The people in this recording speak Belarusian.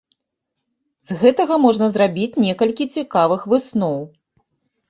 З гэтага можна зрабіць некалькі цікавых высноў.